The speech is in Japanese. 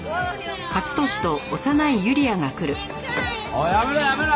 おいやめろやめろ